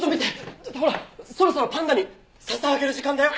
だってほらそろそろパンダに笹をあげる時間だよ！